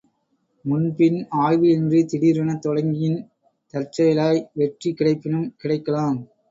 முன்பின் ஆய்வு இன்றித் திடீரெனத் தொடங்கின் தற்செயலாய் வெற்றி கிடைப்பினும் கிடைக்கலாம்.